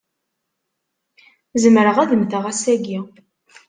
Zemreɣ ad mmteɣ ass-agi.